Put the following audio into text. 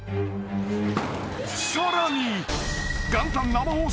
［さらに］